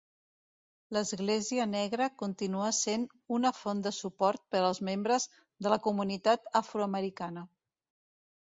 L'església negra continua sent una font de suport per als membres de la comunitat afroamericana.